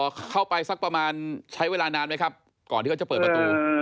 เข้าไปสักประมาณใช้เวลานานไหมครับก่อนที่เขาจะเปิดประตู